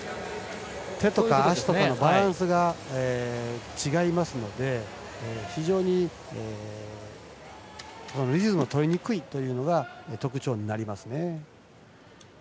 手とか足とかのバランスが違いますので非常にリズムを取りにくいというのが特徴になります。